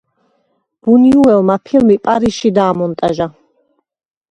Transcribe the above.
ბუნიუელმა ფილმი პარიზში დაამონტაჟა.